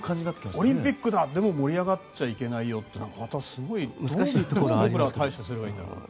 オリンピックだでも盛り上がっちゃいけないよってまたすごいどう僕らは対処すればいいんだっていう。